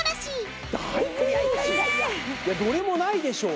いやどれもないでしょ！